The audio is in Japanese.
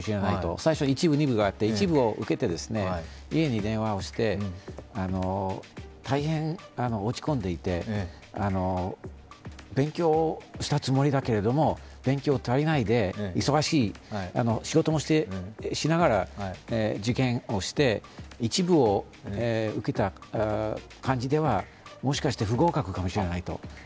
最初、１部２部があって１部を受けて家に電話をして、大変落ち込んでいて、勉強したつもりだけれども、勉強が足りないで、忙しい、仕事もしながら受験をして、１部を受けた感じではもしかして不合格かもしれないと。